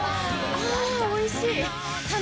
あぁおいしい！